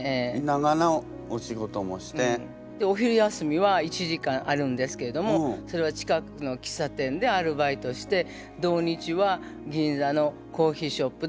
お昼休みは１時間あるんですけれどもそれは近くの喫茶店でアルバイトして土日は銀座のコーヒーショップでアルバイトしました。